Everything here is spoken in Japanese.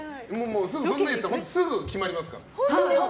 そんな言ったらすぐ決まりますから。